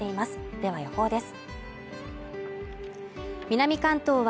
では予報です。